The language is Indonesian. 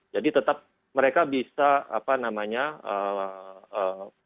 jadi tetap mereka bisa apa namanya eh eh eh eh